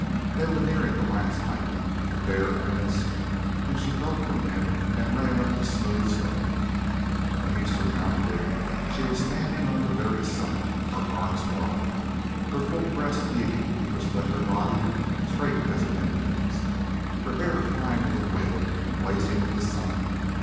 They were nearing the last height, a bare eminence, when she broke from him and ran up the smooth stone. When he surmounted it she was standing on the very summit, her arms wide, her full breast heaving, her slender body straight as an Indian's, her hair flying in the wind and blazing in the sun.